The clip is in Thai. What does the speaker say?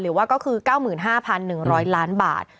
หรือว่าก็คือ๙๕๑๐๐ล้านบาท